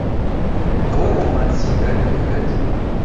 ئەوە ڕۆمانسی دەردەکەوێت؟